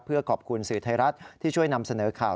เพื่อขอบคุณสื่อไทยรัฐที่ช่วยนำเสนอข่าว